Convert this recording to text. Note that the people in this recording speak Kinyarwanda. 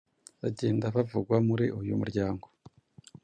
bagenda bavugwa muri uyu muryango,